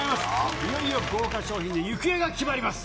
いよいよ豪華賞品の行方が決まります。